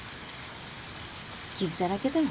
傷だらけだよ。